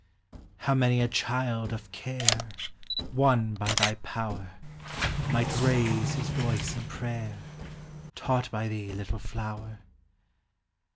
How many a child of care, Won by thy power, Might raise his voice in prayer, Taught by thee, little flower!